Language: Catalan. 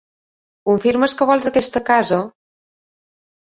Confirmes que vols aquesta casa?